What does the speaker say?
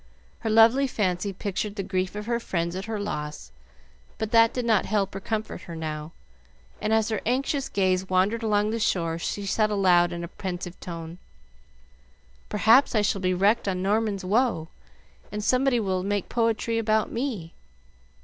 Her lively fancy pictured the grief of her friends at her loss; but that did not help or comfort her now, and as her anxious gaze wandered along the shore, she said aloud, in a pensive tone, "Perhaps I shall be wrecked on Norman's Woe, and somebody will make poetry about me.